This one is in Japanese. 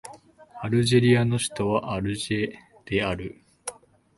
アルジェリアの首都はアルジェである